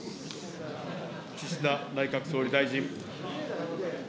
岸田内閣総理大臣。